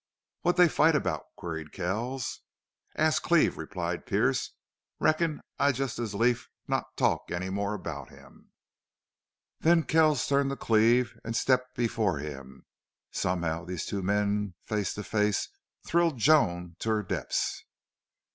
"What'd they fight about?" queried Kells. "Ask Cleve," replied Pearce. "Reckon I'd just as lief not talk any more about him." Then Kells turned to Cleve and stepped before him. Somehow these two men face to face thrilled Joan to her depths.